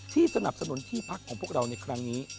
สนับสนุนที่พักของพวกเราในครั้งนี้